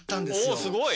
おすごい！